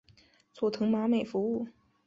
佐藤麻美服务。